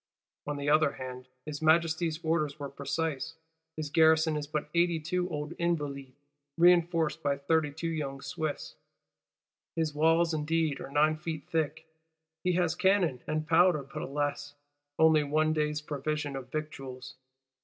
On the other hand, His Majesty's orders were precise. His garrison is but eighty two old Invalides, reinforced by thirty two young Swiss; his walls indeed are nine feet thick, he has cannon and powder; but, alas, only one day's provision of victuals.